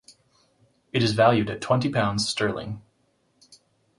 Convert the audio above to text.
It is valued at twenty pounds sterling.